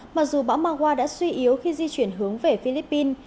mặc dù bão mawa đã suy yếu khi di chuyển hướng về philippines